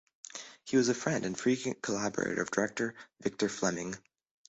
He was a friend and frequent collaborator of director Victor Fleming.